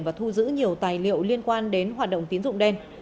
và thu giữ nhiều tài liệu liên quan đến hoạt động tín dụng đen